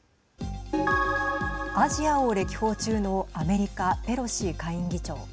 アジアを歴訪中のアメリカペロシ下院議長。